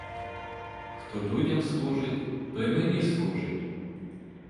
Хто людям служить, той мені служить.